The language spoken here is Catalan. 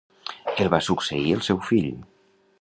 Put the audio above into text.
El va succeir el seu fill.